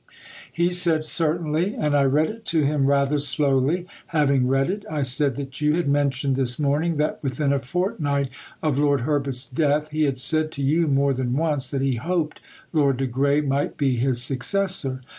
He said, "Certainly"; and I read it to him rather slowly. Having read it, I said that you had mentioned this morning that within a fortnight of Lord Herbert's death, he had said to you more than once that he hoped Lord de Grey might be his successor.